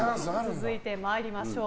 続いて参りましょう。